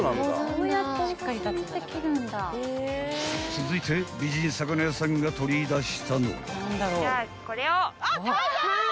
［続いて美人魚屋さんが取り出したのは］